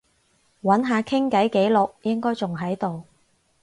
揾下傾偈記錄，應該仲喺度